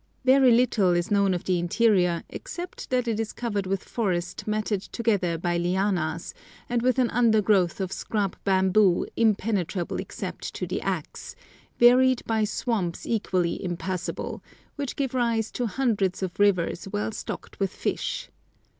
Very little is known of the interior except that it is covered with forest matted together by lianas, and with an undergrowth of scrub bamboo impenetrable except to the axe, varied by swamps equally impassable, which give rise to hundreds of rivers well stocked with fish.